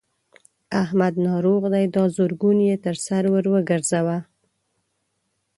احمد ناروغ دی؛ دا زرګون يې تر سر ور ګورځوه.